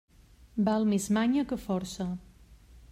Val més manya que força.